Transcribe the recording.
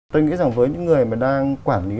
tôi nghĩ rằng với những người mà đang quản lý